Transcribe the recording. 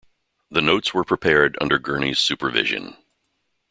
The notes were prepared under Gurney's supervision.